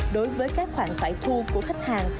đối với các khoản phải thu của khách hàng